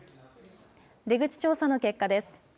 出口調査の結果です。